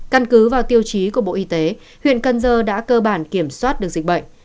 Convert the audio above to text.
căn cứ vào tiêu chí của bộ y tế huyện cần giờ đã cơ bản kiểm soát được dịch bệnh